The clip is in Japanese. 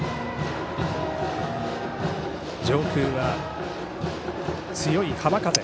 上空は強い浜風。